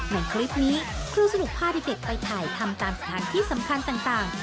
ในคลิปนี้ครูสนุกพาเด็กไปถ่ายทำตามสถานที่สำคัญต่าง